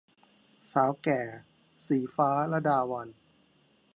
สาวแก่ - ศรีฟ้า ลดาวัลย์